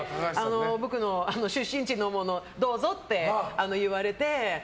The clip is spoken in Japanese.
僕の出身地のものどうぞって言われて。